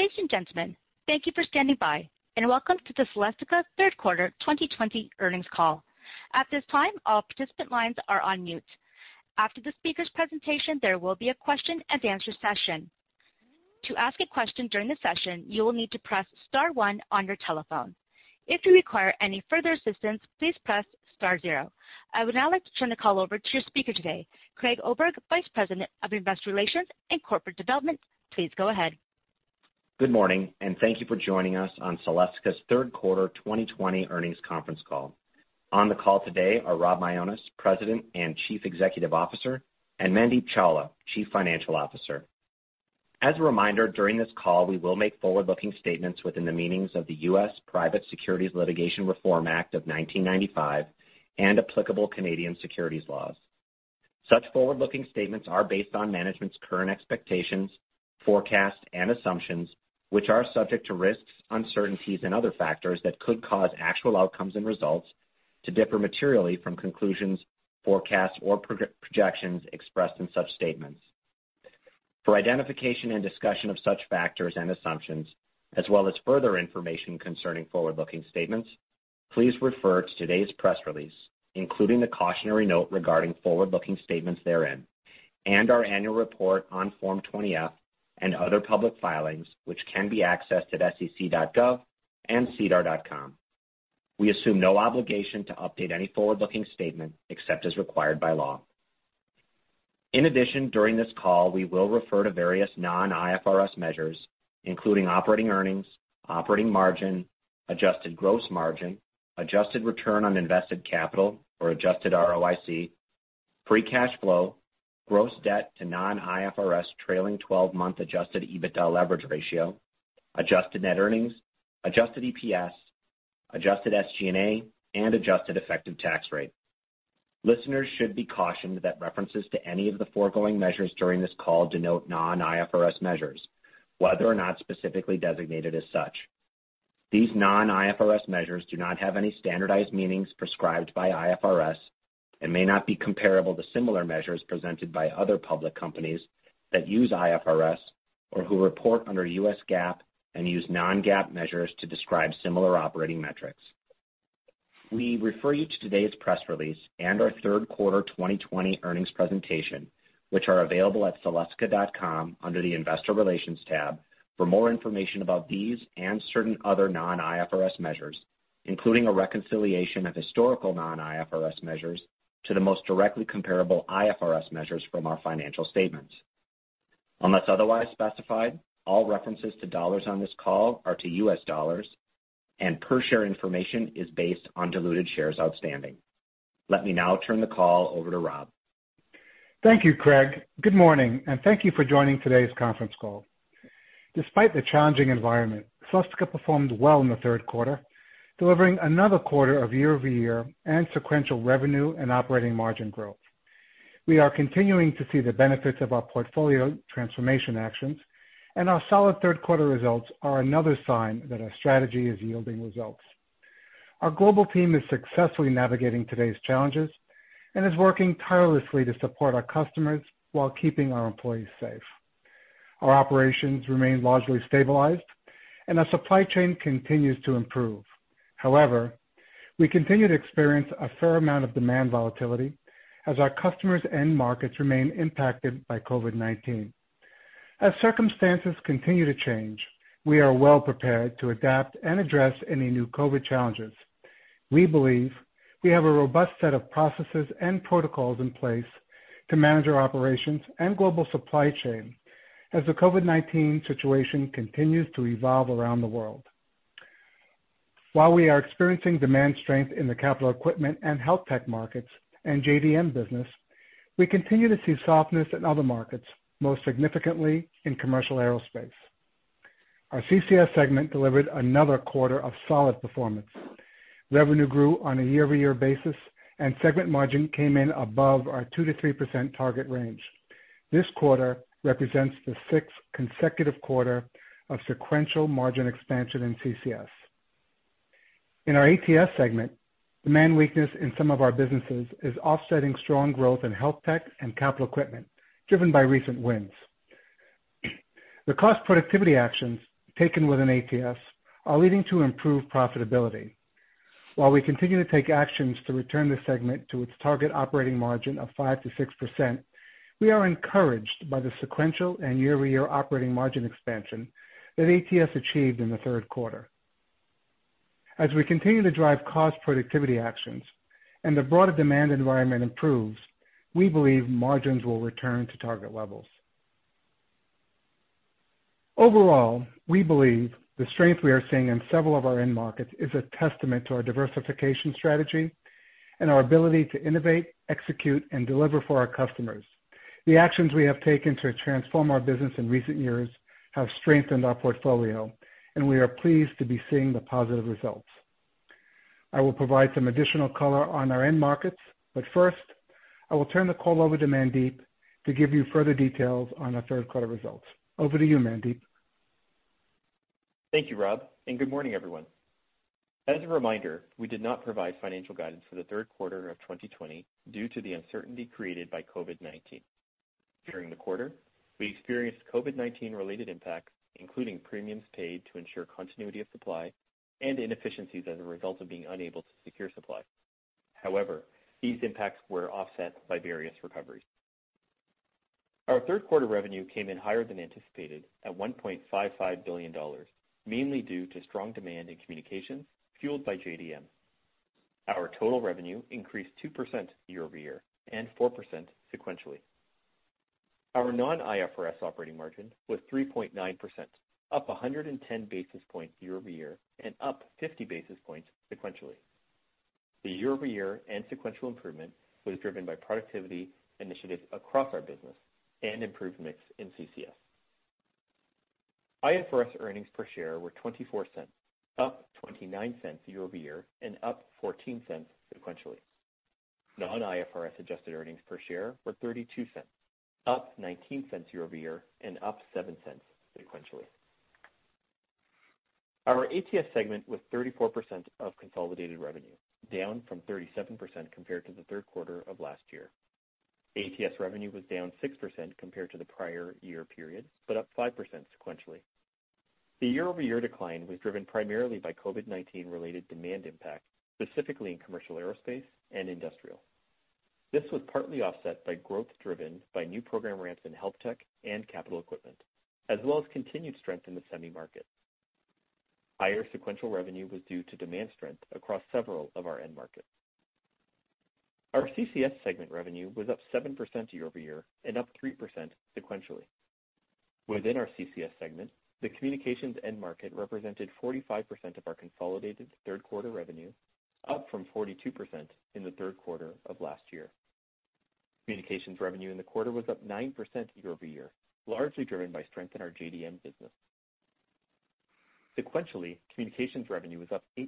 Ladies and gentlemen, thank you for standing by, and welcome to the Celestica third quarter 2020 earnings call. I would now like to turn the call over to your speaker today, Craig Oberg, Vice President of Investor Relations and Corporate Development. Please go ahead. Good morning, and thank you for joining us on Celestica's third quarter 2020 earnings conference call. On the call today are Rob Mionis, President and Chief Executive Officer, and Mandeep Chawla, Chief Financial Officer. As a reminder, during this call, we will make forward-looking statements within the meanings of the U.S. Private Securities Litigation Reform Act of 1995 and applicable Canadian securities laws. Such forward-looking statements are based on management's current expectations, forecasts, and assumptions, which are subject to risks, uncertainties, and other factors that could cause actual outcomes and results to differ materially from conclusions, forecasts, or projections expressed in such statements. For identification and discussion of such factors and assumptions, as well as further information concerning forward-looking statements, please refer to today's press release, including the cautionary note regarding forward-looking statements therein, and our annual report on Form 20-F and other public filings, which can be accessed at sec.gov and sedar.com. We assume no obligation to update any forward-looking statement except as required by law. During this call, we will refer to various non-IFRS measures, including operating earnings, operating margin, adjusted gross margin, adjusted return on invested capital or adjusted ROIC, free cash flow, gross debt to non-IFRS trailing 12-month adjusted EBITDA leverage ratio, adjusted net earnings, adjusted EPS, adjusted SG&A, and adjusted effective tax rate. Listeners should be cautioned that references to any of the foregoing measures during this call denote non-IFRS measures, whether or not specifically designated as such. These non-IFRS measures do not have any standardized meanings prescribed by IFRS and may not be comparable to similar measures presented by other public companies that use IFRS or who report under U.S. GAAP and use non-GAAP measures to describe similar operating metrics. We refer you to today's press release and our third quarter 2020 earnings presentation, which are available at celestica.com under the investor relations tab for more information about these and certain other non-IFRS measures, including a reconciliation of historical non-IFRS measures to the most directly comparable IFRS measures from our financial statements. Unless otherwise specified, all references to dollars on this call are to U.S. dollars, and per share information is based on diluted shares outstanding. Let me now turn the call over to Rob. Thank you, Craig. Good morning, and thank you for joining today's conference call. Despite the challenging environment, Celestica performed well in the third quarter, delivering another quarter of year-over-year and sequential revenue and operating margin growth. We are continuing to see the benefits of our portfolio transformation actions, and our solid third quarter results are another sign that our strategy is yielding results. Our global team is successfully navigating today's challenges and is working tirelessly to support our customers while keeping our employees safe. Our operations remain largely stabilized, and our supply chain continues to improve. However, we continue to experience a fair amount of demand volatility as our customers and markets remain impacted by COVID-19. As circumstances continue to change, we are well prepared to adapt and address any new COVID challenges. We believe we have a robust set of processes and protocols in place to manage our operations and global supply chain as the COVID-19 situation continues to evolve around the world. While we are experiencing demand strength in the capital equipment and health tech markets and JDM business, we continue to see softness in other markets, most significantly in commercial aerospace. Our CCS segment delivered another quarter of solid performance. Revenue grew on a year-over-year basis, and segment margin came in above our 2%-3% target range. This quarter represents the sixth consecutive quarter of sequential margin expansion in CCS. In our ATS segment, demand weakness in some of our businesses is offsetting strong growth in health tech and capital equipment, driven by recent wins. The cost productivity actions taken within ATS are leading to improved profitability. While we continue to take actions to return the segment to its target operating margin of 5% to 6%, we are encouraged by the sequential and year-over-year operating margin expansion that ATS achieved in the third quarter. As we continue to drive cost productivity actions and the broader demand environment improves, we believe margins will return to target levels. Overall, we believe the strength we are seeing in several of our end markets is a testament to our diversification strategy and our ability to innovate, execute, and deliver for our customers. The actions we have taken to transform our business in recent years have strengthened our portfolio, and we are pleased to be seeing the positive results. I will provide some additional color on our end markets, but first, I will turn the call over to Mandeep to give you further details on our third quarter results. Over to you, Mandeep. Thank you, Rob, and good morning, everyone. As a reminder, we did not provide financial guidance for the third quarter of 2020 due to the uncertainty created by COVID-19. During the quarter, we experienced COVID-19 related impacts, including premiums paid to ensure continuity of supply and inefficiencies as a result of being unable to secure supply. However, these impacts were offset by various recoveries. Our third quarter revenue came in higher than anticipated at $1.55 billion, mainly due to strong demand in communications fueled by JDM. Our total revenue increased 2% year-over-year and 4% sequentially. Our non-IFRS operating margin was 3.9%, up 110 basis points year-over-year and up 50 basis points sequentially. The year-over-year and sequential improvement was driven by productivity initiatives across our business and improved mix in CCS. IFRS earnings per share were $0.24, up $0.29 year-over-year and up $0.14 sequentially. Non-IFRS adjusted earnings per share were $0.32, up $0.19 year-over-year and up $0.07 sequentially. Our ATS segment was 34% of consolidated revenue, down from 37% compared to the third quarter of last year. ATS revenue was down 6% compared to the prior year period, but up 5% sequentially. The year-over-year decline was driven primarily by COVID-19 related demand impact, specifically in commercial aerospace and industrial. This was partly offset by growth driven by new program ramps in health tech and capital equipment, as well as continued strength in the semi market. Higher sequential revenue was due to demand strength across several of our end markets. Our CCS segment revenue was up 7% year-over-year and up 3% sequentially. Within our CCS segment, the communications end market represented 45% of our consolidated third quarter revenue, up from 42% in the third quarter of last year. Communications revenue in the quarter was up 9% year-over-year, largely driven by strength in our JDM business. Sequentially, communications revenue was up 8%,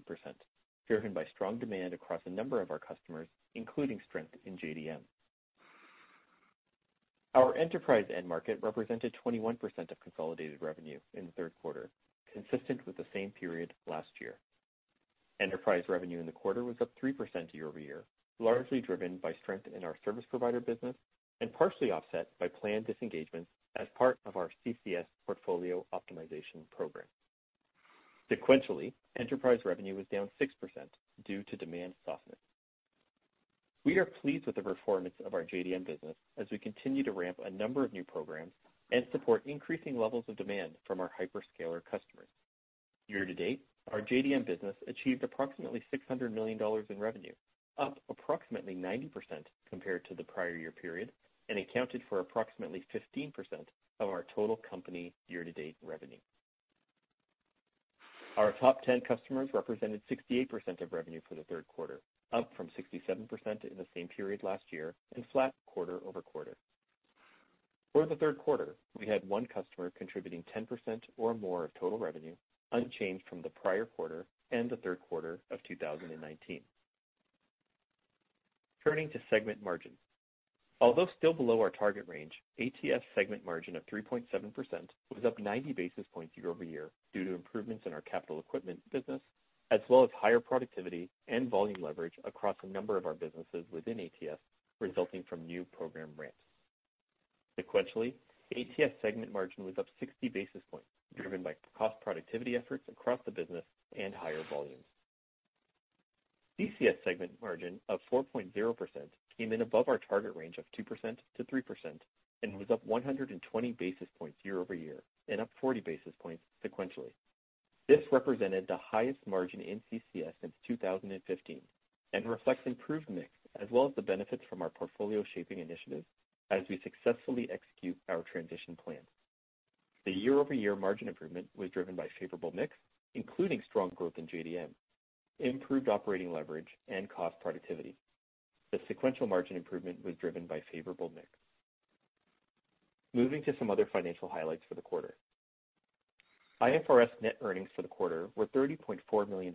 driven by strong demand across a number of our customers, including strength in JDM. Our enterprise end market represented 21% of consolidated revenue in the third quarter, consistent with the same period last year. Enterprise revenue in the quarter was up 3% year-over-year, largely driven by strength in our service provider business and partially offset by planned disengagement as part of our CCS portfolio optimization program. Sequentially, enterprise revenue was down 6% due to demand softness. We are pleased with the performance of our JDM business as we continue to ramp a number of new programs and support increasing levels of demand from our hyperscaler customers. Year-to-date, our JDM business achieved approximately $600 million in revenue, up approximately 90% compared to the prior year period, and accounted for approximately 15% of our total company year-to-date revenue. Our top 10 customers represented 68% of revenue for the third quarter, up from 67% in the same period last year and flat quarter-over-quarter. For the third quarter, we had one customer contributing 10% or more of total revenue, unchanged from the prior quarter and the third quarter of 2019. Turning to segment margin. Although still below our target range, ATS segment margin of 3.7% was up 90 basis points year-over-year due to improvements in our capital equipment business, as well as higher productivity and volume leverage across a number of our businesses within ATS resulting from new program ramps. Sequentially, ATS segment margin was up 60 basis points, driven by cost productivity efforts across the business and higher volumes. CCS segment margin of 4.0% came in above our target range of 2%-3% and was up 120 basis points year-over-year and up 40 basis points sequentially. This represented the highest margin in CCS since 2015 and reflects improved mix as well as the benefits from our portfolio shaping initiatives as we successfully execute our transition plans. The year-over-year margin improvement was driven by favorable mix, including strong growth in JDM, improved operating leverage, and cost productivity. The sequential margin improvement was driven by favorable mix. Moving to some other financial highlights for the quarter. IFRS net earnings for the quarter were $30.4 million,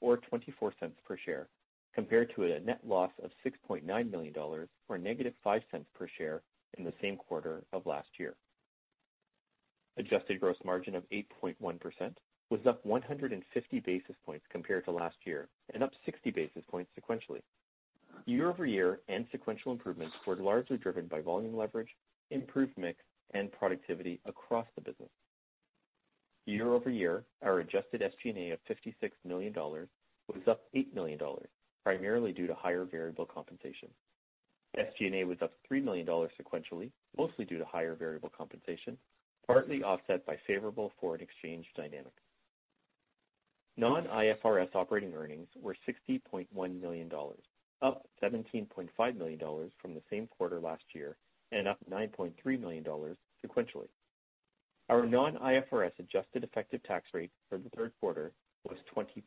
or $0.24 per share, compared to a net loss of $6.9 million, or -$0.05 per share in the same quarter of last year. Adjusted gross margin of 8.1% was up 150 basis points compared to last year and up 60 basis points sequentially. Year-over-year and sequential improvements were largely driven by volume leverage, improved mix, and productivity across the business. Year-over-year, our adjusted SG&A of $56 million was up $8 million, primarily due to higher variable compensation. SG&A was up $3 million sequentially, mostly due to higher variable compensation, partly offset by favorable foreign exchange dynamics. Non-IFRS operating earnings were $60.1 million, up $17.5 million from the same quarter last year and up $9.3 million sequentially. Our non-IFRS adjusted effective tax rate for the third quarter was 20%,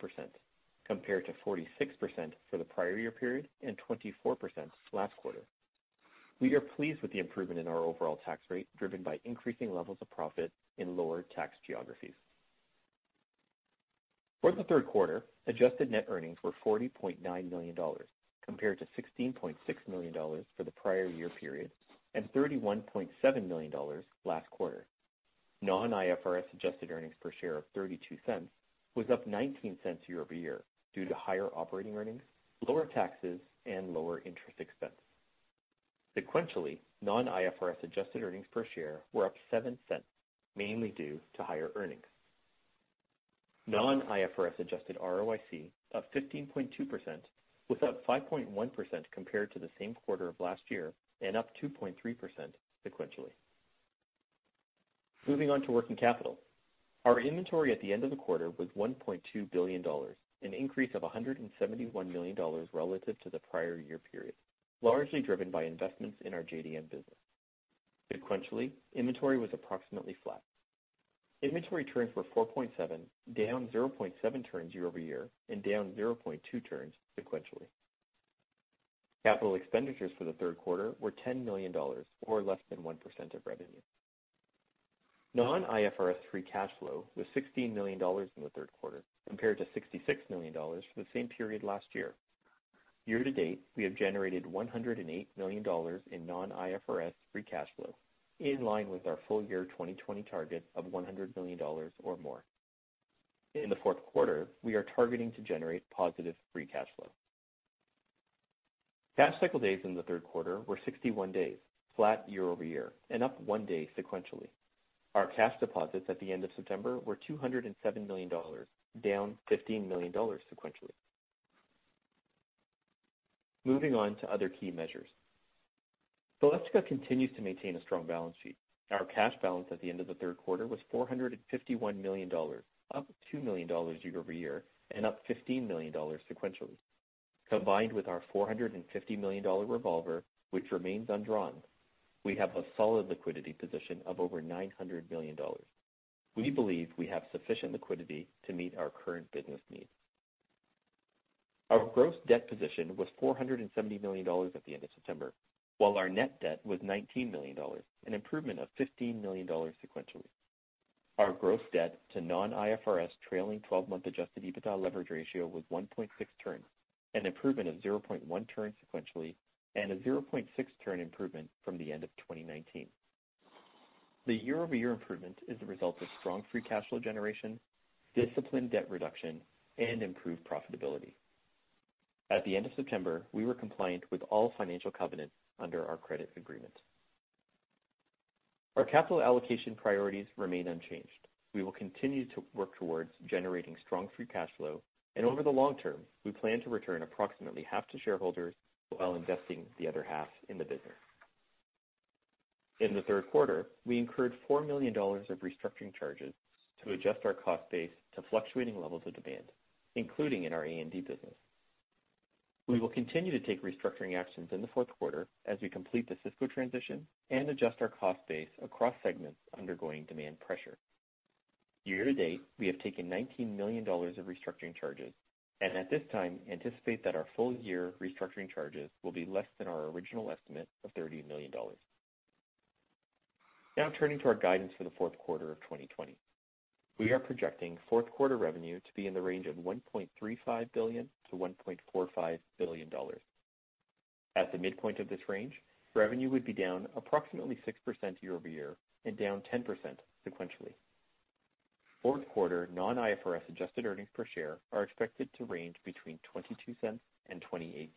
compared to 46% for the prior year period and 24% last quarter. We are pleased with the improvement in our overall tax rate, driven by increasing levels of profit in lower tax geographies. For the third quarter, adjusted net earnings were $40.9 million, compared to $16.6 million for the prior year period and $31.7 million last quarter. Non-IFRS adjusted earnings per share of $0.32 was up $0.19 year-over-year due to higher operating earnings, lower taxes and lower interest expense. Sequentially, non-IFRS adjusted earnings per share were up $0.07, mainly due to higher earnings. Non-IFRS adjusted ROIC of 15.2% was up 5.1% compared to the same quarter of last year and up 2.3% sequentially. Moving on to working capital. Our inventory at the end of the quarter was $1.2 billion, an increase of $171 million relative to the prior year period, largely driven by investments in our JDM business. Sequentially, inventory was approximately flat. Inventory turns were 4.7, down 0.7 turns year-over-year and down 0.2 turns sequentially. Capital expenditures for the third quarter were $10 million, or less than 1% of revenue. Non-IFRS three cash flow was $16 million in the third quarter, compared to $66 million for the same period last year. Year-to-date, we have generated $108 million in non-IFRS free cash flow, in line with our full- year 2020 target of $100 million or more. In the fourth quarter, we are targeting to generate positive free cash flow. Cash cycle days in the third quarter were 61 days, flat year-over-year and up one day sequentially. Our cash deposits at the end of September were $207 million, down $15 million sequentially. Moving on to other key measures. Celestica continues to maintain a strong balance sheet. Our cash balance at the end of the third quarter was $451 million, up $2 million year-over-year and up $15 million sequentially. Combined with our $450 million revolver, which remains undrawn, we have a solid liquidity position of over $900 million. We believe we have sufficient liquidity to meet our current business needs. Our gross debt position was $470 million at the end of September, while our net debt was $19 million, an improvement of $15 million sequentially. Our gross debt to non-IFRS trailing 12-month adjusted EBITDA leverage ratio was 1.6 turns, an improvement of 0.1 turns sequentially and a 0.6 turn improvement from the end of 2019. The year-over-year improvement is a result of strong free cash flow generation, disciplined debt reduction, and improved profitability. At the end of September, we were compliant with all financial covenants under our credit agreement. Our capital allocation priorities remain unchanged. We will continue to work towards generating strong free cash flow. Over the long term, we plan to return approximately half to shareholders while investing the other half in the business. In the third quarter, we incurred $4 million of restructuring charges to adjust our cost base to fluctuating levels of demand, including in our A&D business. We will continue to take restructuring actions in the fourth quarter as we complete the Cisco transition and adjust our cost base across segments undergoing demand pressure. Year-to-date, we have taken $19 million of restructuring charges and at this time anticipate that our full-year restructuring charges will be less than our original estimate of $30 million. Now turning to our guidance for the fourth quarter of 2020. We are projecting fourth quarter revenue to be in the range of $1.35 billion to $1.45 billion. At the midpoint of this range, revenue would be down approximately 6% year-over-year and down 10% sequentially. Fourth quarter non-IFRS adjusted earnings per share are expected to range between $0.22 and $0.28.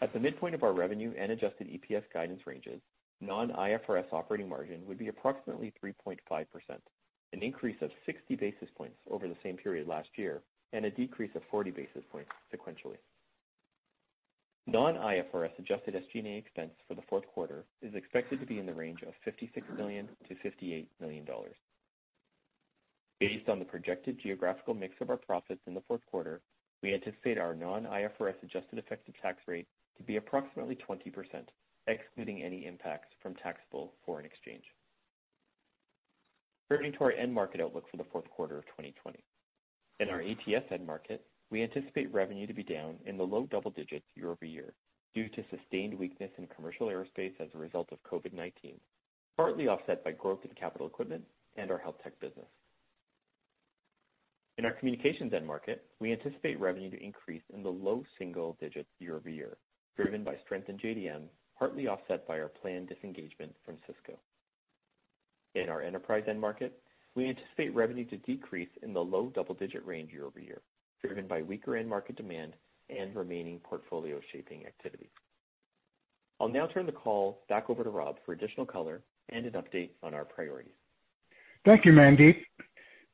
At the midpoint of our revenue and adjusted EPS guidance ranges, non-IFRS operating margin would be approximately 3.5%, an increase of 60 basis points over the same period last year and a decrease of 40 basis points sequentially. Non-IFRS adjusted SG&A expense for the fourth quarter is expected to be in the range of $56 million to $58 million. Based on the projected geographical mix of our profits in the fourth quarter, we anticipate our non-IFRS adjusted effective tax rate to be approximately 20%, excluding any impacts from taxable foreign exchange. Turning to our end market outlook for the fourth quarter of 2020. In our ATS end market, we anticipate revenue to be down in the low double digits year-over-year due to sustained weakness in commercial aerospace as a result of COVID-19, partly offset by growth in capital equipment and our health tech business. In our communications end market, we anticipate revenue to increase in the low single digits year-over-year, driven by strength in JDM, partly offset by our planned disengagement from Cisco. In our enterprise end market, we anticipate revenue to decrease in the low double-digit range year-over-year, driven by weaker end market demand and remaining portfolio shaping activity. I'll now turn the call back over to Rob for additional color and an update on our priorities. Thank you, Mandeep.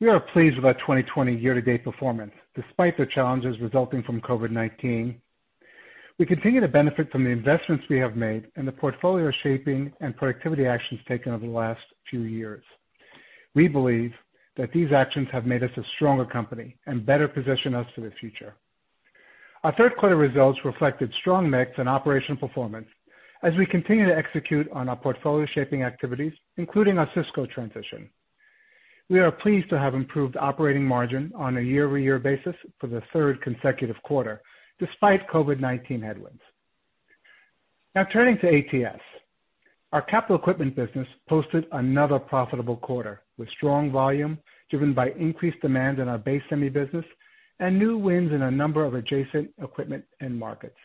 We are pleased with our 2020 year-to-date performance, despite the challenges resulting from COVID-19. We continue to benefit from the investments we have made and the portfolio shaping and productivity actions taken over the last few years. We believe that these actions have made us a stronger company and better position us for the future. Our third quarter results reflected strong mix and operational performance as we continue to execute on our portfolio shaping activities, including our Cisco transition. We are pleased to have improved operating margin on a year-over-year basis for the third consecutive quarter, despite COVID-19 headwinds. Now turning to ATS. Our capital equipment business posted another profitable quarter with strong volume driven by increased demand in our base semi business and new wins in a number of adjacent equipment end markets.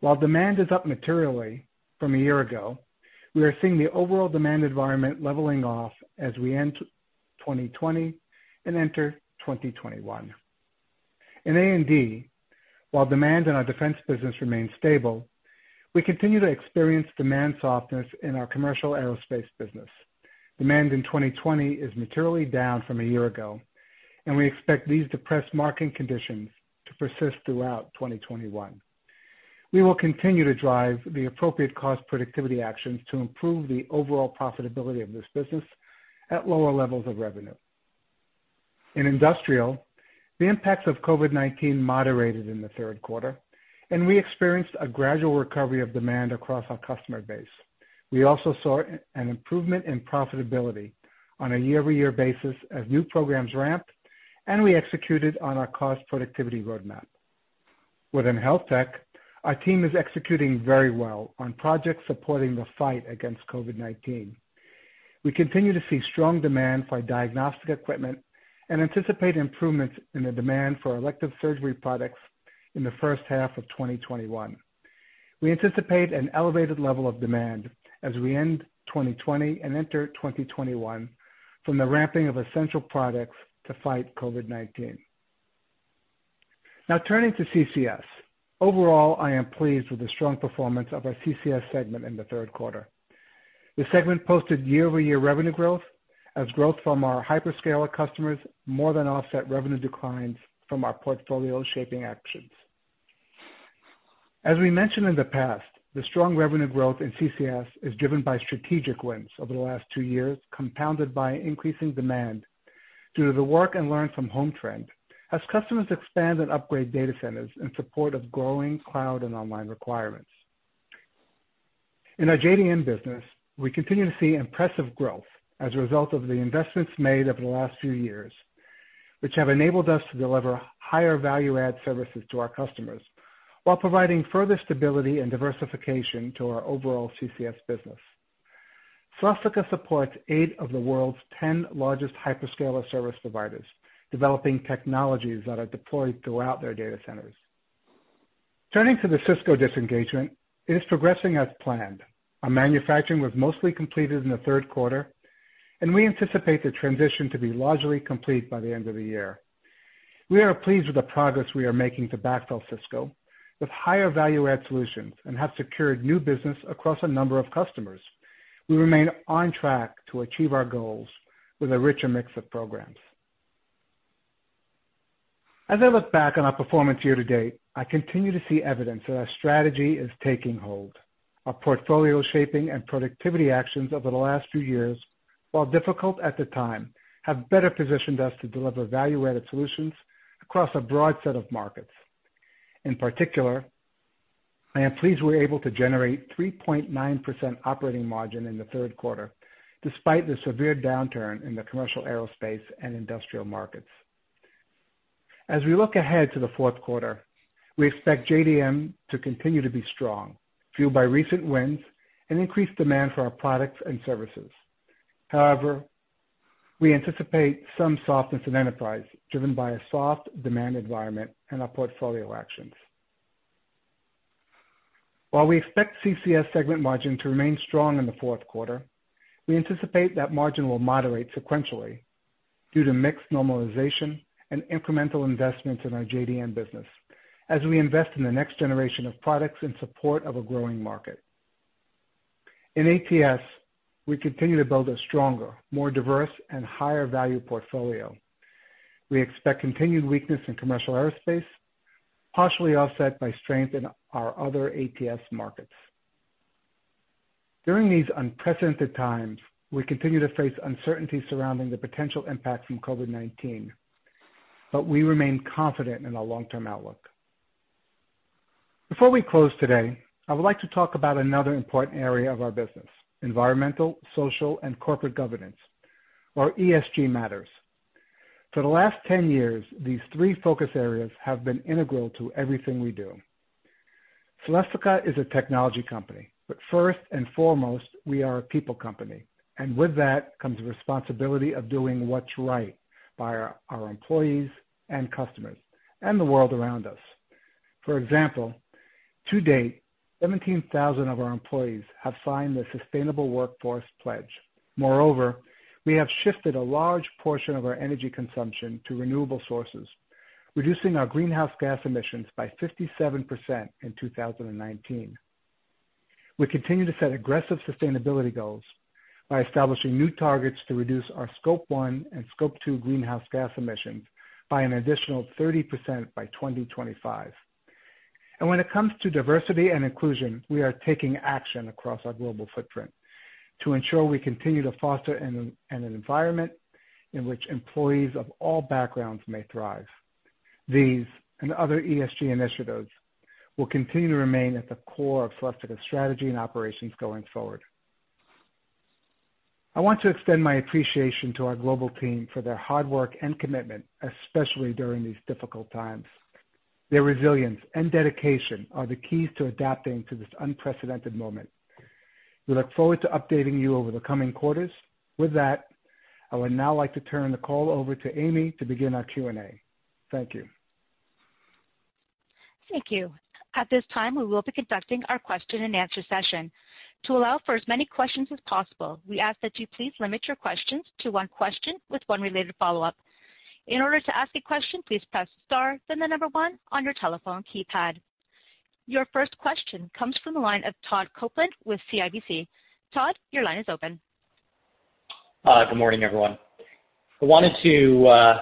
While demand is up materially from a year ago, we are seeing the overall demand environment leveling off as we end 2020 and enter 2021. In A&D, while demand in our defense business remains stable, we continue to experience demand softness in our commercial aerospace business. Demand in 2020 is materially down from a year ago, and we expect these depressed market conditions to persist throughout 2021. We will continue to drive the appropriate cost productivity actions to improve the overall profitability of this business at lower levels of revenue. In industrial, the impacts of COVID-19 moderated in the third quarter, and we experienced a gradual recovery of demand across our customer base. We also saw an improvement in profitability on a year-over-year basis as new programs ramped, and we executed on our cost productivity roadmap. Within health tech, our team is executing very well on projects supporting the fight against COVID-19. We continue to see strong demand for diagnostic equipment and anticipate improvements in the demand for elective surgery products in the first half of 2021. We anticipate an elevated level of demand as we end 2020 and enter 2021 from the ramping of essential products to fight COVID-19. Turning to CCS. Overall, I am pleased with the strong performance of our CCS segment in the third quarter. The segment posted year-over-year revenue growth as growth from our hyperscaler customers more than offset revenue declines from our portfolio shaping actions. As we mentioned in the past, the strong revenue growth in CCS is driven by strategic wins over the last two years, compounded by increasing demand due to the work and learn from home trend, as customers expand and upgrade data centers in support of growing cloud and online requirements. In our JDM business, we continue to see impressive growth as a result of the investments made over the last few years, which have enabled us to deliver higher value-add services to our customers while providing further stability and diversification to our overall CCS business. Celestica supports eight of the world's 10 largest hyperscaler service providers, developing technologies that are deployed throughout their data centers. Turning to the Cisco disengagement, it is progressing as planned. Our manufacturing was mostly completed in the third quarter, and we anticipate the transition to be largely complete by the end of the year. We are pleased with the progress we are making to backfill Cisco with higher value-add solutions and have secured new business across a number of customers. We remain on track to achieve our goals with a richer mix of programs. As I look back on our performance year to date, I continue to see evidence that our strategy is taking hold. Our portfolio shaping and productivity actions over the last few years, while difficult at the time, have better positioned us to deliver value-added solutions across a broad set of markets. In particular, I am pleased we were able to generate 3.9% operating margin in the third quarter despite the severe downturn in the commercial aerospace and industrial markets. As we look ahead to the fourth quarter, we expect JDM to continue to be strong, fueled by recent wins and increased demand for our products and services. However, we anticipate some softness in enterprise driven by a soft demand environment and our portfolio actions. While we expect CCS segment margin to remain strong in the fourth quarter, we anticipate that margin will moderate sequentially due to mix normalization and incremental investments in our JDM business as we invest in the next generation of products in support of a growing market. In ATS, we continue to build a stronger, more diverse, and higher-value portfolio. We expect continued weakness in commercial aerospace, partially offset by strength in our other ATS markets. During these unprecedented times, we continue to face uncertainty surrounding the potential impact from COVID-19. We remain confident in our long-term outlook. Before we close today, I would like to talk about another important area of our business, environmental, social, and corporate governance, or ESG matters. For the last 10 years, these three focus areas have been integral to everything we do. Celestica is a technology company, but first and foremost, we are a people company, and with that comes the responsibility of doing what's right by our employees and customers and the world around us. For example, to date, 17,000 of our employees have signed the Sustainable Workforce Pledge. Moreover, we have shifted a large portion of our energy consumption to renewable sources, reducing our greenhouse gas emissions by 57% in 2019. We continue to set aggressive sustainability goals by establishing new targets to reduce our scope one and scope two greenhouse gas emissions by an additional 30% by 2025. When it comes to diversity and inclusion, we are taking action across our global footprint to ensure we continue to foster an environment in which employees of all backgrounds may thrive. These and other ESG initiatives will continue to remain at the core of Celestica's strategy and operations going forward. I want to extend my appreciation to our global team for their hard work and commitment, especially during these difficult times. Their resilience and dedication are the keys to adapting to this unprecedented moment. We look forward to updating you over the coming quarters. With that, I would now like to turn the call over to Amy to begin our Q&A. Thank you. Thank you. At this time, we will be conducting our question and answer session. To allow for as many questions as possible, we ask that you please limit your questions to one question with one related follow-up. In order to ask a question, please press star, then the number one on your telephone keypad. Your first question comes from the line of Todd Coupland with CIBC. Todd, your line is open. Good morning, everyone. I wanted to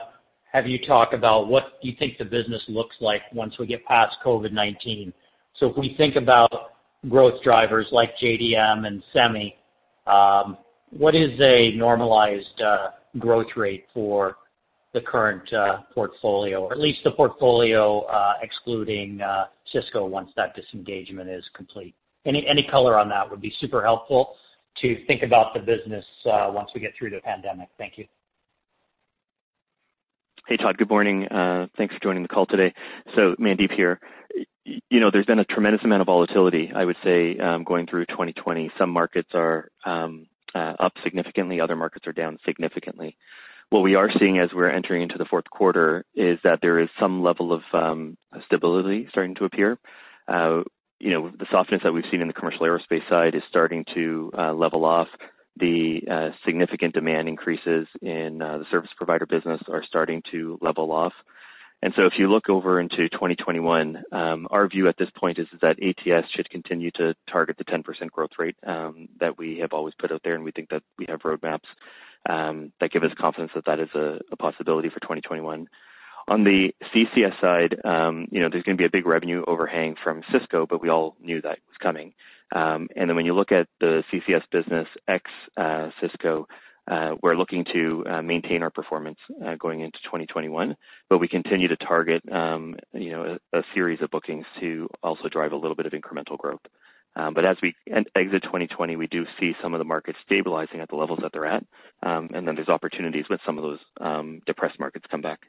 have you talk about what you think the business looks like once we get past COVID-19. If we think about growth drivers like JDM and semi, what is a normalized growth rate for the current portfolio, or at least the portfolio excluding Cisco once that disengagement is complete? Any color on that would be super helpful to think about the business once we get through the pandemic. Thank you. Hey, Todd. Good morning. Thanks for joining the call today. Mandeep here. There's been a tremendous amount of volatility, I would say, going through 2020. Some markets are up significantly, other markets are down significantly. What we are seeing as we're entering into the fourth quarter is that there is some level of stability starting to appear. The softness that we've seen in the commercial aerospace side is starting to level off. The significant demand increases in the service provider business are starting to level off. If you look over into 2021, our view at this point is that ATS should continue to target the 10% growth rate that we have always put out there, and we think that we have roadmaps that give us confidence that is a possibility for 2021. On the CCS side, there's going to be a big revenue overhang from Cisco, but we all knew that was coming. When you look at the CCS business ex-Cisco, we're looking to maintain our performance going into 2021. We continue to target a series of bookings to also drive a little bit of incremental growth. As we exit 2020, we do see some of the markets stabilizing at the levels that they're at. There's opportunities when some of those depressed markets come back.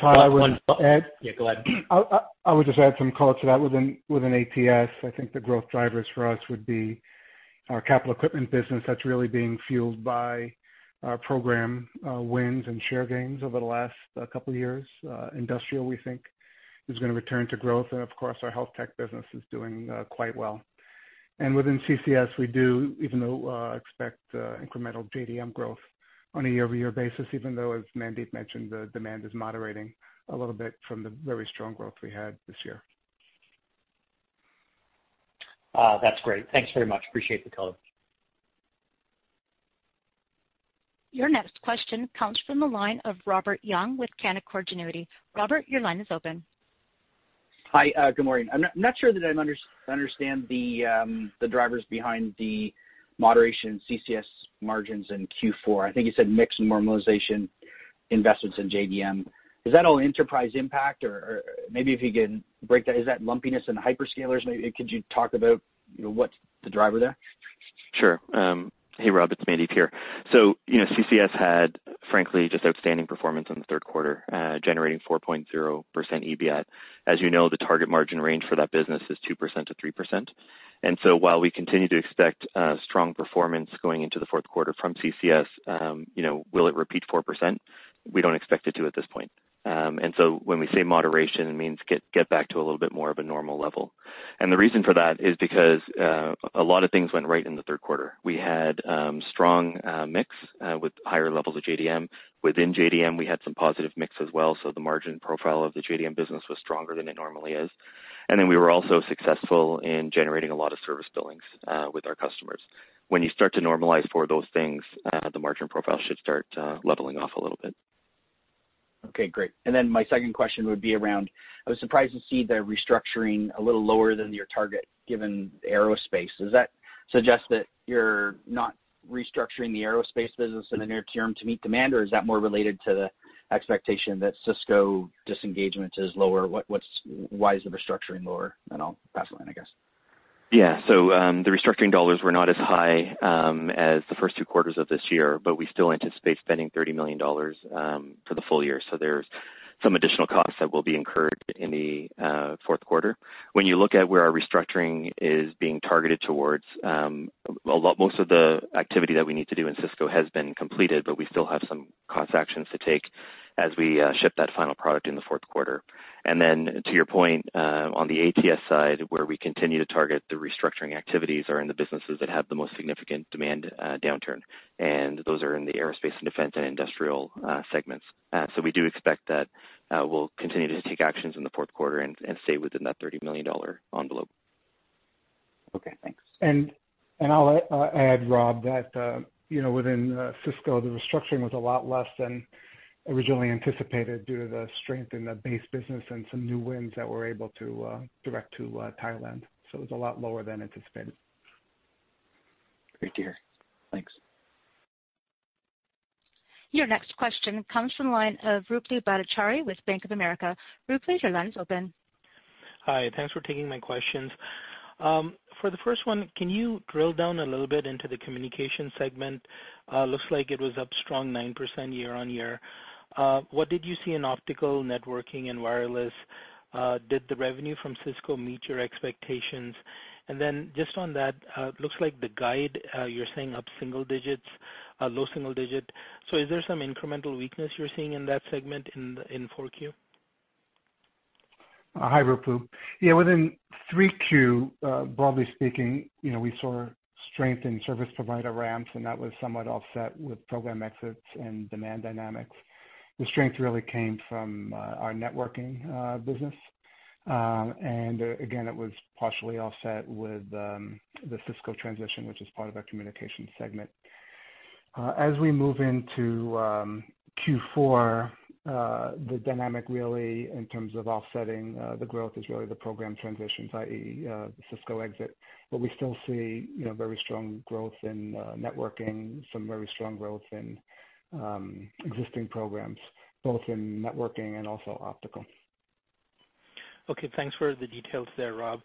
Todd, I would add. Yeah, go ahead. I would just add some color to that. Within ATS, I think the growth drivers for us would be our capital equipment business that's really being fueled by program wins and share gains over the last couple of years. Industrial, we think, is going to return to growth. Of course, our health tech business is doing quite well. Within CCS, we do even though expect incremental JDM growth on a year-over-year basis, even though, as Mandeep mentioned, the demand is moderating a little bit from the very strong growth we had this year. That's great. Thanks very much. Appreciate the color. Your next question comes from the line of Robert Young with Canaccord Genuity. Robert, your line is open. Hi. Good morning. I'm not sure that I understand the drivers behind the moderation CCS margins in Q4. I think you said mix normalization investments in JDM. Is that all enterprise impact? Or maybe if you can break that, is that lumpiness in hyperscalers? Maybe could you talk about what's the driver there? Sure. Hey, Rob, it's Mandeep here. CCS had, frankly, just outstanding performance in the third quarter, generating 4.0% EBIT. As you know, the target margin range for that business is 2%-3%. While we continue to expect strong performance going into the fourth quarter from CCS, will it repeat 4%? We don't expect it to at this point. When we say moderation, it means get back to a little bit more of a normal level. The reason for that is because a lot of things went right in the third quarter. We had strong mix with higher levels of JDM. Within JDM, we had some positive mix as well, so the margin profile of the JDM business was stronger than it normally is. We were also successful in generating a lot of service billings with our customers. When you start to normalize for those things, the margin profile should start leveling off a little bit. Okay, great. My second question would be around, I was surprised to see the restructuring a little lower than your target given aerospace. Does that suggest that you're not restructuring the aerospace business in the near- term to meet demand, or is that more related to the expectation that Cisco disengagement is lower? Why is the restructuring lower? I'll pass the line, I guess. The restructuring dollars were not as high as the first two quarters of this year, but we still anticipate spending $30 million for the full year. There's some additional costs that will be incurred in the fourth quarter. When you look at where our restructuring is being targeted towards, most of the activity that we need to do in Cisco has been completed, but we still have some cost actions to take as we ship that final product in the fourth quarter. To your point, on the ATS side where we continue to target the restructuring activities are in the businesses that have the most significant demand downturn, and those are in the aerospace and defense and industrial segments. We do expect that we'll continue to take actions in the fourth quarter and stay within that $30 million envelope. Okay, thanks. I'll add, Rob, that within Cisco, the restructuring was a lot less than originally anticipated due to the strength in the base business and some new wins that we're able to direct to Thailand. It was a lot lower than anticipated. Great to hear. Thanks. Your next question comes from the line of Ruplu Bhattacharya with Bank of America. Ruplu, your line is open. Hi. Thanks for taking my questions. For the first one, can you drill down a little bit into the communication segment? Looks like it was up strong 9% year-over-year. What did you see in optical networking and wireless? Did the revenue from Cisco meet your expectations? Just on that, looks like the guide, you're saying up single digits, low single digit. Is there some incremental weakness you're seeing in that segment in 4Q? Hi, Ruplu. Within 3Q, broadly speaking, we saw strength in service provider ramps, and that was somewhat offset with program exits and demand dynamics. The strength really came from our networking business. Again, it was partially offset with the Cisco transition, which is part of our communication segment. As we move into Q4, the dynamic really, in terms of offsetting the growth, is really the program transitions, i.e., Cisco exit. We still see very strong growth in networking, some very strong growth in existing programs, both in networking and also optical. Okay. Thanks for the details there, Rob.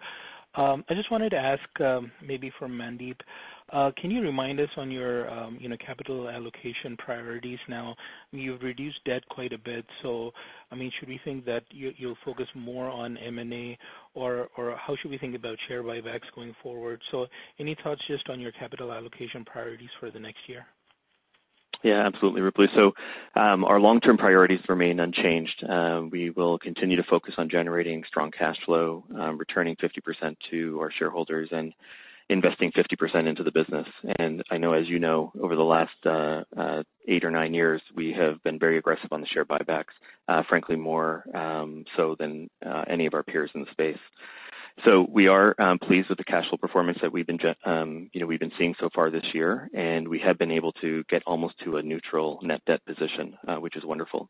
I just wanted to ask, maybe for Mandeep, can you remind us on your capital allocation priorities now? You've reduced debt quite a bit, should we think that you'll focus more on M&A, or how should we think about share buybacks going forward? Any thoughts just on your capital allocation priorities for the next year? Yeah, absolutely, Ruplu. Our long-term priorities remain unchanged. We will continue to focus on generating strong cash flow, returning 50% to our shareholders and investing 50% into the business. I know, as you know, over the last eight or nine years, we have been very aggressive on the share buybacks, frankly, more so than any of our peers in the space. We are pleased with the cash flow performance that we've been seeing so far this year, and we have been able to get almost to a neutral net debt position, which is wonderful.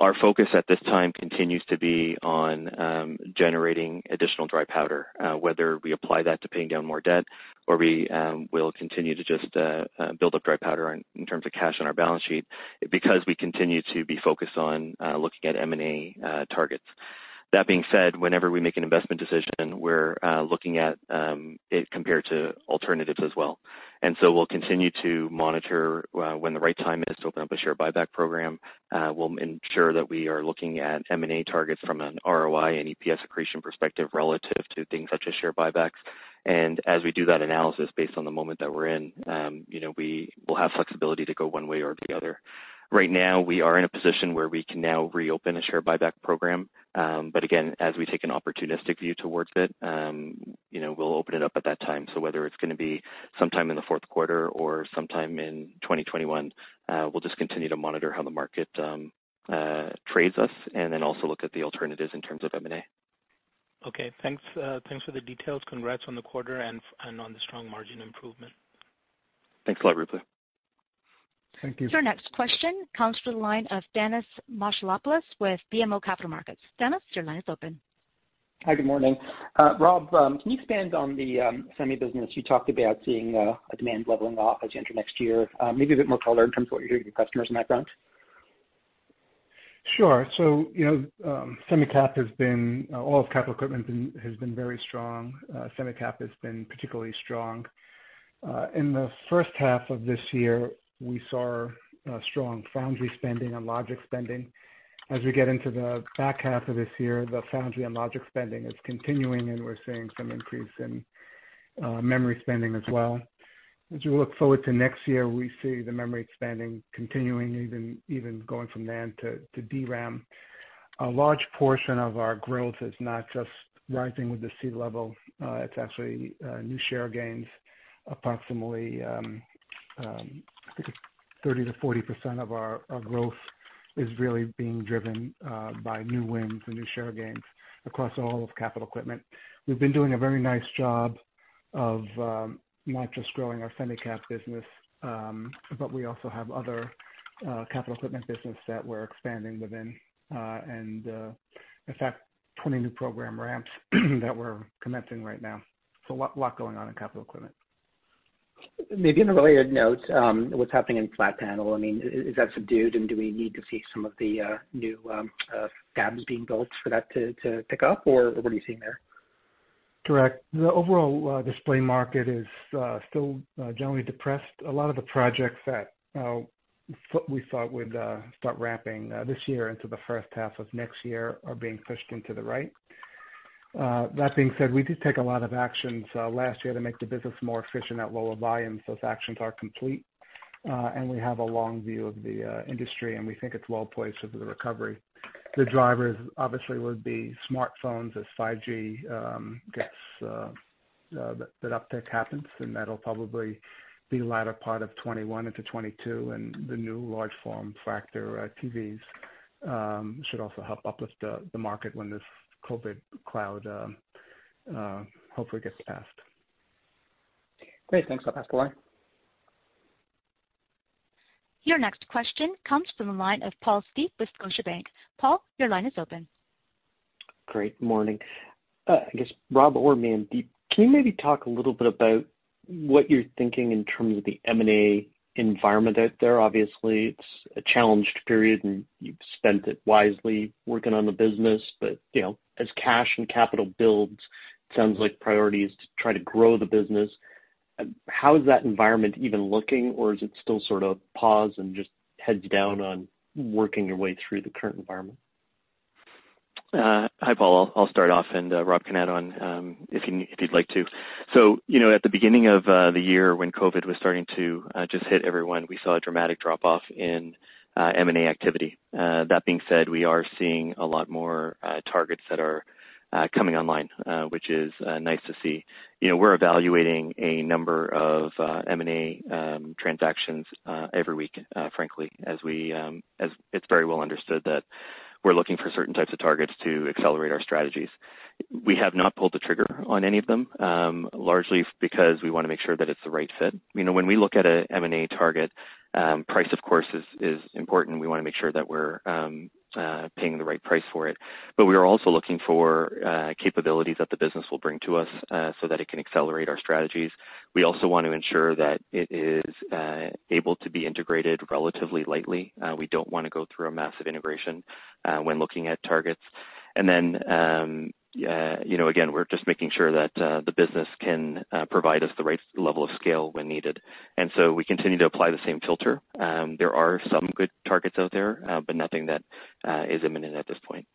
Our focus at this time continues to be on generating additional dry powder, whether we apply that to paying down more debt or we will continue to just build up dry powder in terms of cash on our balance sheet, because we continue to be focused on looking at M&A targets. That being said, whenever we make an investment decision, we're looking at it compared to alternatives as well. We'll continue to monitor when the right time is to open up a share buyback program. We'll ensure that we are looking at M&A targets from an ROI and EPS accretion perspective relative to things such as share buybacks. As we do that analysis based on the moment that we're in, we will have flexibility to go one way or the other. Right now, we are in a position where we can now reopen a share buyback program. Again, as we take an opportunistic view towards it, we'll open it up at that time. Whether it's going to be sometime in the fourth quarter or sometime in 2021, we'll just continue to monitor how the market trades us and then also look at the alternatives in terms of M&A. Okay, thanks. Thanks for the details. Congrats on the quarter and on the strong margin improvement. Thanks a lot, Ruplu. Thank you. Your next question comes from the line of Thanos Moschopoulos with BMO Capital Markets. Thanos, your line is open. Hi, good morning. Rob, can you expand on the Semi business? You talked about seeing a demand leveling off as you enter next year. Maybe a bit more color in terms of what you're hearing from your customers in that front. Sure. semi cap has been, all of capital equipment has been very strong. Semi cap has been particularly strong. In the first half of this year, we saw strong foundry spending and logic spending. As we get into the back half of this year, the foundry and logic spending is continuing, and we're seeing some increase in memory spending as well. As we look forward to next year, we see the memory expanding, continuing, even going from NAND to DRAM. A large portion of our growth is not just rising with the C level. It's actually new share gains. Approximately 30%-40% of our growth is really being driven by new wins and new share gains across all of capital equipment. We've been doing a very nice job of not just growing our semi cap business, but we also have other capital equipment business that we're expanding within. In fact, 20 new program ramps that we're commencing right now. A lot going on in capital equipment. Maybe on a related note, what's happening in flat panel? Is that subdued, and do we need to see some of the new fabs being built for that to pick up, or what are you seeing there? Correct. The overall display market is still generally depressed. A lot of the projects that we thought would start ramping this year into the first half of next year are being pushed into the right. That being said, we did take a lot of actions last year to make the business more efficient at lower volumes. Those actions are complete. We have a long view of the industry. We think it's well-placed for the recovery. The drivers obviously would be smartphones as 5G gets. That uptick happens, then that'll probably be the latter part of 2021 into 2022. The new large form factor TVs should also help uplift the market when this COVID cloud hopefully gets past. Great. Thanks. I'll pass the line. Your next question comes from the line of Paul Steep with Scotiabank. Paul, your line is open. Great. Morning. I guess, Rob or Mandeep, can you maybe talk a little bit about what you're thinking in terms of the M&A environment out there? Obviously, it's a challenged period, and you've spent it wisely working on the business. As cash and capital builds. Sounds like priority is to try to grow the business. How is that environment even looking? Is it still sort of pause and just heads down on working your way through the current environment? Hi, Paul. I'll start off, Rob can add on if he'd like to. At the beginning of the year when COVID was starting to just hit everyone, we saw a dramatic drop-off in M&A activity. That being said, we are seeing a lot more targets that are coming online, which is nice to see. We're evaluating a number of M&A transactions every week, frankly, as it's very well understood that we're looking for certain types of targets to accelerate our strategies. We have not pulled the trigger on any of them, largely because we want to make sure that it's the right fit. When we look at a M&A target, price, of course, is important. We want to make sure that we're paying the right price for it. We are also looking for capabilities that the business will bring to us so that it can accelerate our strategies. We also want to ensure that it is able to be integrated relatively lightly. We don't want to go through a massive integration when looking at targets. Again, we're just making sure that the business can provide us the right level of scale when needed. We continue to apply the same filter. There are some good targets out there, but nothing that is imminent at this point.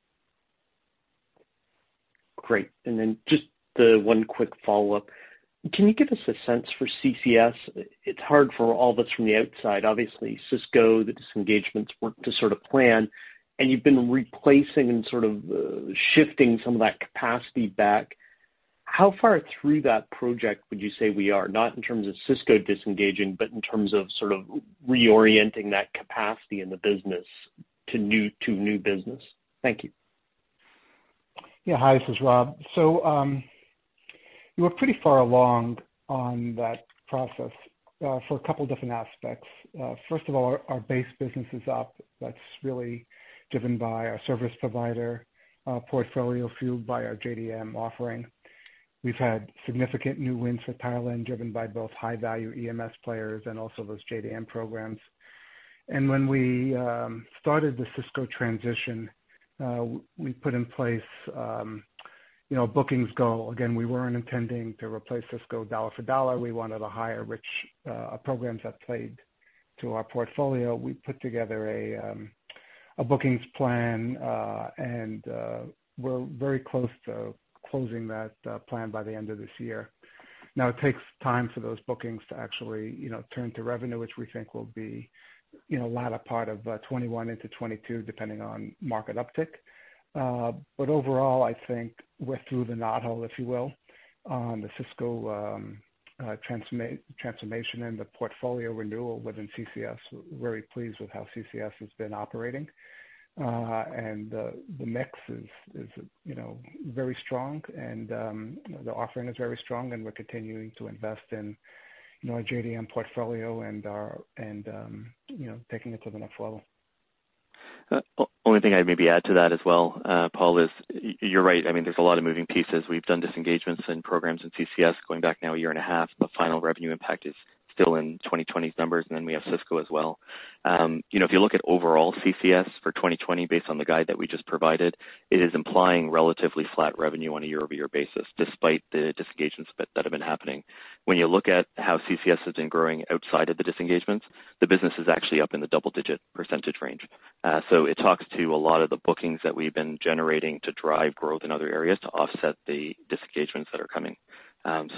Great. Just the one quick follow-up. Can you give us a sense for CCS? It's hard for all of us from the outside. Obviously, Cisco, the disengagements work to sort of plan, and you've been replacing and sort of shifting some of that capacity back. How far through that project would you say we are, not in terms of Cisco disengaging, but in terms of sort of reorienting that capacity in the business to new business? Thank you. Yeah. Hi, this is Rob. We're pretty far along on that process for a couple different aspects. First of all, our base business is up. That's really driven by our service provider portfolio fueled by our JDM offering. We've had significant new wins for Thailand, driven by both high-value EMS players and also those JDM programs. When we started the Cisco transition, we put in place bookings goal. Again, we weren't intending to replace Cisco dollar for dollar. We wanted a higher rich programs that played to our portfolio. We put together a bookings plan, and we're very close to closing that plan by the end of this year. Now, it takes time for those bookings to actually turn to revenue, which we think will be latter part of 2021 into 2022, depending on market uptick. Overall, I think we're through the knothole, if you will, on the Cisco transformation and the portfolio renewal within CCS. We're very pleased with how CCS has been operating. The mix is very strong, and the offering is very strong, and we're continuing to invest in our JDM portfolio and taking it to the next level. Only thing I'd maybe add to that as well, Paul, is you're right. There's a lot of moving pieces. We've done disengagements and programs in CCS going back now a year and a half, but final revenue impact is still in 2020's numbers, and then we have Cisco as well. If you look at overall CCS for 2020, based on the guide that we just provided, it is implying relatively flat revenue on a year-over-year basis, despite the disengagements that have been happening. When you look at how CCS has been growing outside of the disengagements, the business is actually up in the double-digit percentage range. It talks to a lot of the bookings that we've been generating to drive growth in other areas to offset the disengagements that are coming.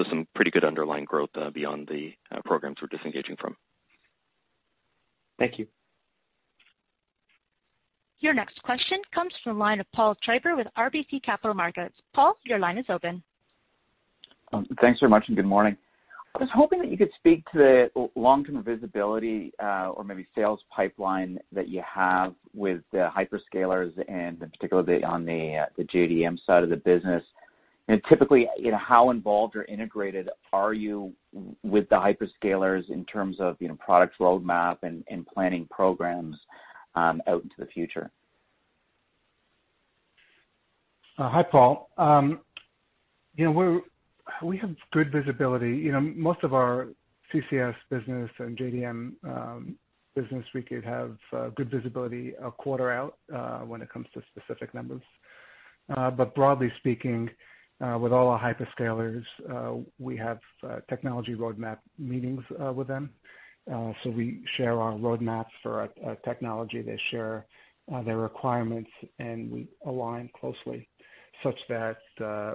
Some pretty good underlying growth beyond the programs we're disengaging from. Thank you. Your next question comes from the line of Paul Treiber with RBC Capital Markets. Paul, your line is open. Thanks very much, good morning. I was hoping that you could speak to the long-term visibility, or maybe sales pipeline that you have with the hyperscalers and in particular on the JDM side of the business. Typically, how involved or integrated are you with the hyperscalers in terms of products roadmap and planning programs out into the future? Hi, Paul. We have good visibility. Most of our CCS business and JDM business, we could have good visibility a quarter out when it comes to specific numbers. Broadly speaking, with all our hyperscalers, we have technology roadmap meetings with them. We share our roadmaps for our technology, they share their requirements, and we align closely such that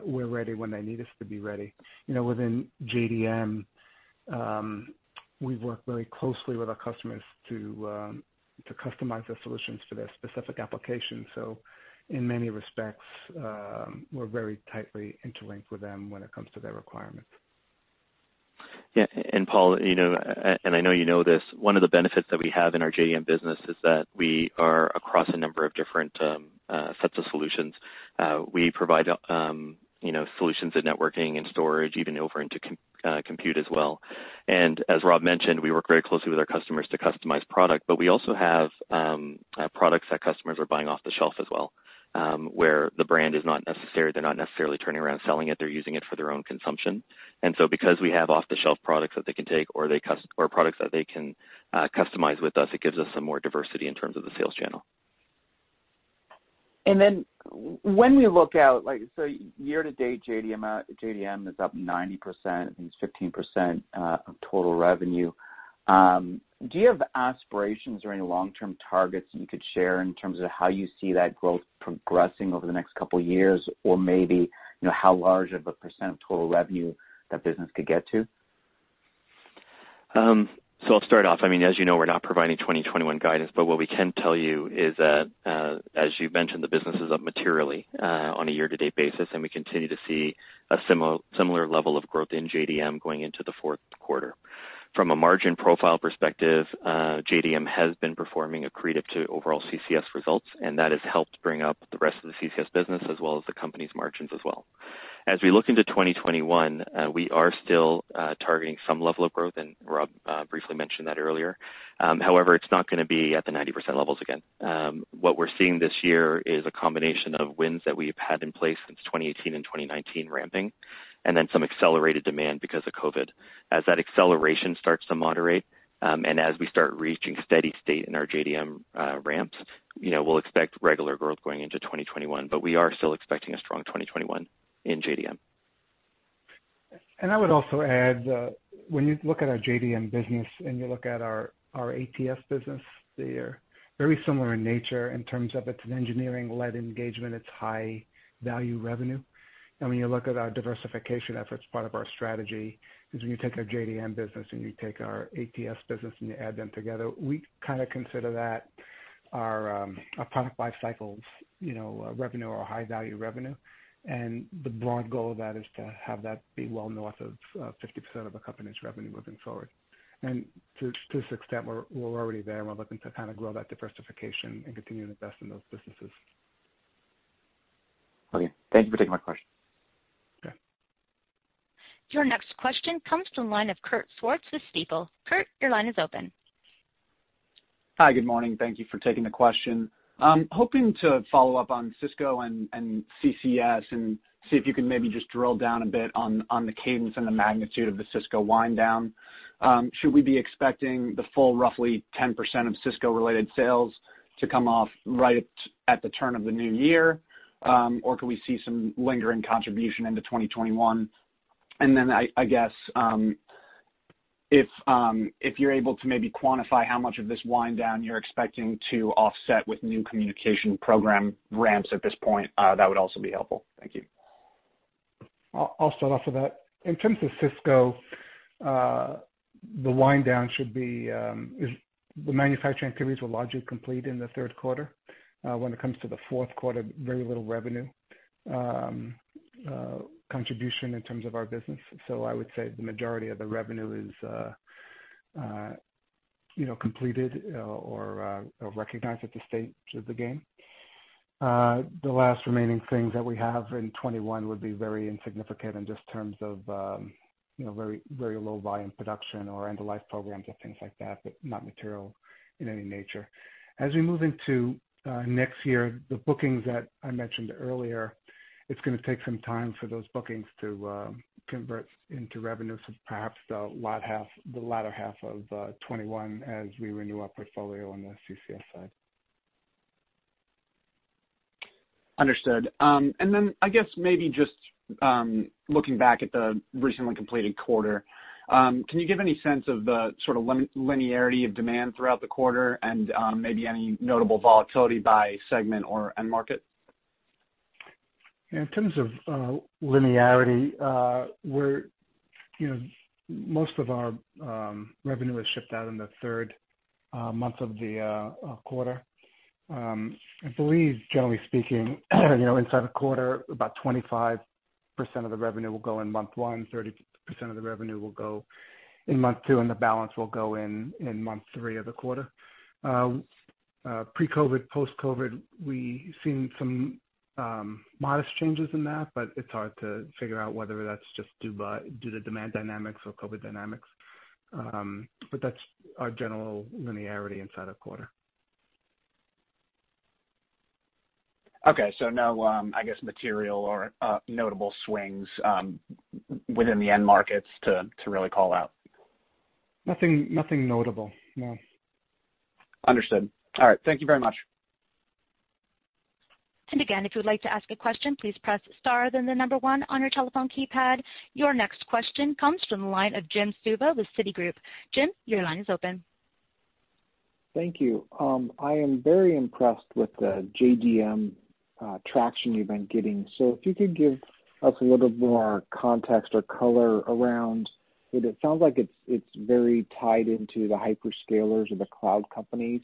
we're ready when they need us to be ready. Within JDM, we work very closely with our customers to customize their solutions for their specific application. In many respects, we're very tightly interlinked with them when it comes to their requirements. Yeah. Paul, and I know you know this, one of the benefits that we have in our JDM business is that we are across a number of different sets of solutions. We provide solutions in networking and storage, even over into compute as well. As Rob mentioned, we work very closely with our customers to customize product, but we also have products that customers are buying off the shelf as well, where the brand is not necessary. They're not necessarily turning around selling it. They're using it for their own consumption. Because we have off-the-shelf products that they can take or products that they can customize with us, it gives us some more diversity in terms of the sales channel. When we look out, year to date, JDM is up 90%, I think it's 15% of total revenue. Do you have aspirations or any long-term targets that you could share in terms of how you see that growth progressing over the next couple of years? Or maybe, how large of a % of total revenue that business could get to? I'll start off. As you know, we're not providing 2021 guidance, but what we can tell you is that, as you mentioned, the business is up materially on a year- to- date basis, and we continue to see a similar level of growth in JDM going into the fourth quarter. From a margin profile perspective, JDM has been performing accretive to overall CCS results, and that has helped bring up the rest of the CCS business as well as the company's margins as well. As we look into 2021, we are still targeting some level of growth. Rob briefly mentioned that earlier. However, it's not going to be at the 90% levels again. What we're seeing this year is a combination of wins that we've had in place since 2018 and 2019 ramping, and then some accelerated demand because of COVID. As that acceleration starts to moderate, and as we start reaching steady state in our JDM ramps, we'll expect regular growth going into 2021. We are still expecting a strong 2021 in JDM. I would also add, when you look at our JDM business and you look at our ATS business, they are very similar in nature in terms of it's an engineering-led engagement, it's high-value revenue. When you look at our diversification efforts, part of our strategy is when you take our JDM business and you take our ATS business and you add them together, we kind of consider that our product life cycles revenue or high-value revenue. The broad goal of that is to have that be well north of 50% of the company's revenue moving forward. To a certain extent, we're already there, and we're looking to kind of grow that diversification and continue to invest in those businesses. Okay. Thank you for taking my question. Okay. Your next question comes from the line of Kurt Swartz with Stifel. Kurt, your line is open. Hi. Good morning. Thank you for taking the question. Hoping to follow up on Cisco and CCS and see if you can maybe just drill down a bit on the cadence and the magnitude of the Cisco wind down. Should we be expecting the full roughly 10% of Cisco-related sales to come off right at the turn of the new year? Or could we see some lingering contribution into 2021? Then, I guess, if you're able to maybe quantify how much of this wind down you're expecting to offset with new communication program ramps at this point, that would also be helpful. Thank you. I'll start off with that. In terms of Cisco, the manufacturing activities were largely complete in the third quarter. When it comes to the fourth quarter, very little revenue contribution in terms of our business. I would say the majority of the revenue is completed or recognized at this stage of the game. The last remaining things that we have in 2021 would be very insignificant in just terms of very low volume production or end-of-life programs and things like that, but not material in any nature. As we move into next year, the bookings that I mentioned earlier, it's going to take some time for those bookings to convert into revenue, perhaps the latter half of 2021 as we renew our portfolio on the CCS side. Understood. I guess maybe just looking back at the recently completed quarter, can you give any sense of the sort of linearity of demand throughout the quarter and maybe any notable volatility by segment or end market? In terms of linearity, most of our revenue has shipped out in the third month of the quarter. I believe, generally speaking, inside a quarter, about 25% of the revenue will go in month one, 30% of the revenue will go in month two, and the balance will go in month three of the quarter. Pre-COVID, post-COVID, we've seen some modest changes in that, but it's hard to figure out whether that's just due to demand dynamics or COVID dynamics. That's our general linearity inside a quarter. Okay. No, I guess, material or notable swings within the end markets to really call out. Nothing notable. No. Understood. All right. Thank you very much. Again, if you would like to ask a question, please press star, then the number one on your telephone keypad. Your next question comes from the line of Jim Suva with Citigroup. Jim, your line is open. Thank you. I am very impressed with the JDM traction you've been getting. If you could give us a little bit more context or color around it. It sounds like it's very tied into the hyperscalers or the cloud companies.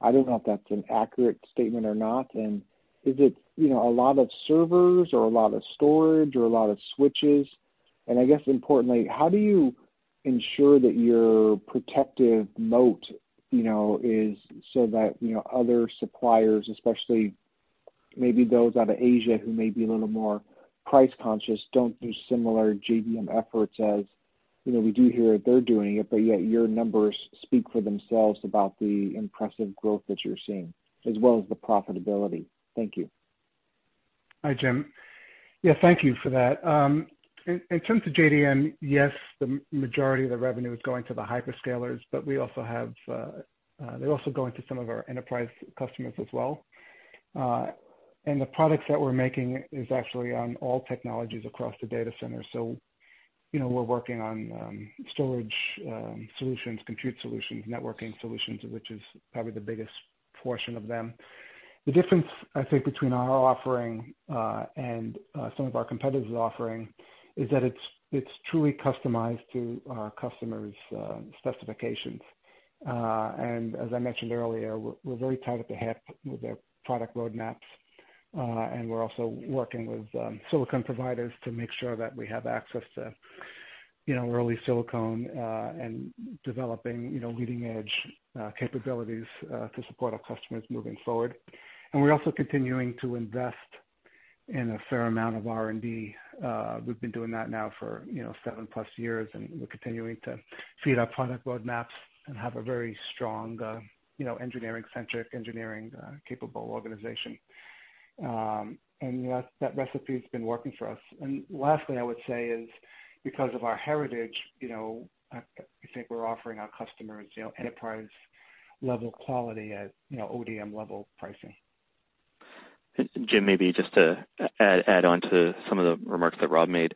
I don't know if that's an accurate statement or not. Is it a lot of servers or a lot of storage or a lot of switches? I guess importantly, how do you ensure that your protective moat is so that other suppliers, especially maybe those out of Asia who may be a little more price conscious, don't do similar JDM efforts as we do hear that they're doing it. Yet your numbers speak for themselves about the impressive growth that you're seeing as well as the profitability. Thank you. Hi, Jim. Yeah, thank you for that. In terms of JDM, yes, the majority of the revenue is going to the hyperscalers, but they also go into some of our enterprise customers as well. The products that we're making is actually on all technologies across the data center. We're working on storage solutions, compute solutions, networking solutions, which is probably the biggest portion of them. The difference, I think, between our offering and some of our competitors' offering is that it's truly customized to our customers' specifications. As I mentioned earlier, we're very tied at the hip with their product roadmaps. We're also working with silicon providers to make sure that we have access to early silicon and developing leading-edge capabilities to support our customers moving forward. We're also continuing to invest in a fair amount of R&D. We're continuing to feed our product roadmaps and have a very strong engineering-centric, engineering-capable organization. That recipe has been working for us. Lastly, I would say is because of our heritage, I think we're offering our customers enterprise-level quality at ODM-level pricing. Jim, maybe just to add on to some of the remarks that Rob made.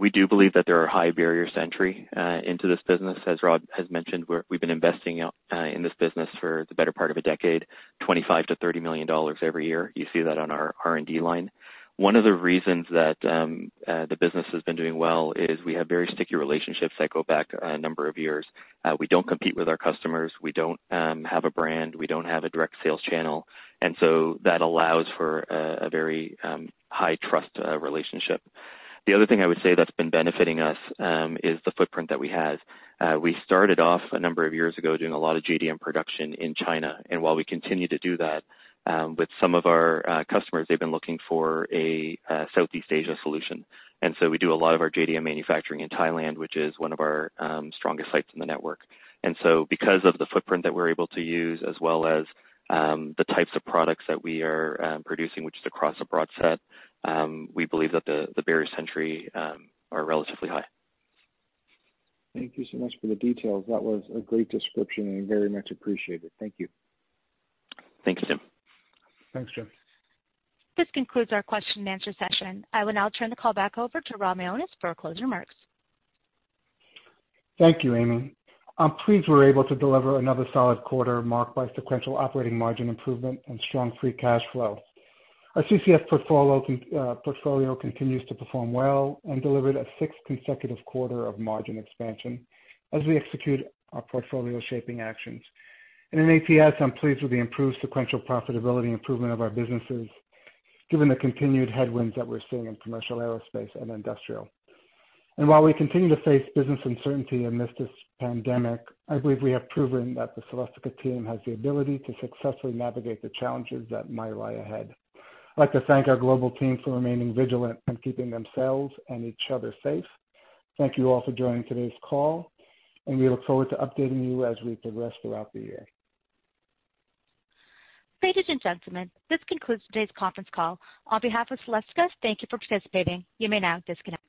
We do believe that there are high barriers to entry into this business. As Rob has mentioned, we've been investing in this business for the better part of a decade, $25 million to $30 million every year. You see that on our R&D line. One of the reasons that the business has been doing well is we have very sticky relationships that go back a number of years. We don't compete with our customers. We don't have a brand. We don't have a direct sales channel. That allows for a very high trust relationship. The other thing I would say that's been benefiting us is the footprint that we have. We started off a number of years ago doing a lot of JDM production in China. While we continue to do that with some of our customers, they've been looking for a Southeast Asia solution. We do a lot of our JDM manufacturing in Thailand, which is one of our strongest sites in the network. Because of the footprint that we're able to use, as well as the types of products that we are producing, which is across a broad set, we believe that the barriers to entry are relatively high. Thank you so much for the details. That was a great description, and very much appreciated. Thank you. Thanks, Jim. Thanks, Jim. This concludes our question and answer session. I will now turn the call back over to Rob Mionis for closing remarks. Thank you, Amy. I'm pleased we're able to deliver another solid quarter marked by sequential operating margin improvement and strong free cash flow. Our CCS portfolio continues to perform well and delivered a sixth consecutive quarter of margin expansion as we execute our portfolio shaping actions. In ATS, I'm pleased with the improved sequential profitability improvement of our businesses, given the continued headwinds that we're seeing in commercial aerospace and industrial. While we continue to face business uncertainty amidst this pandemic, I believe we have proven that the Celestica team has the ability to successfully navigate the challenges that might lie ahead. I'd like to thank our global team for remaining vigilant and keeping themselves and each other safe. Thank you all for joining today's call, and we look forward to updating you as we progress throughout the year. Ladies and gentlemen, this concludes today's conference call. On behalf of Celestica, thank you for participating. You may now disconnect.